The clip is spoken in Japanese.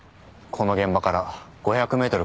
この現場から５００メートル